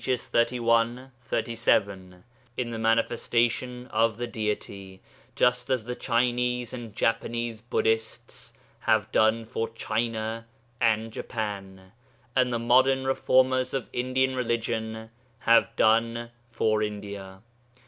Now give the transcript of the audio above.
31, 37) in the manifestation of the Deity, just as the Chinese and Japanese Buddhists have done for China and Japan, and the modern reformers of Indian religion have done for India.